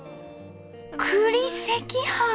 「栗赤飯」！